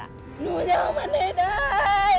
หนูจะเอามันให้ได้